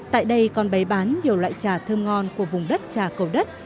tại đây còn bày bán nhiều loại trà thơm ngon của vùng đất trà cầu đất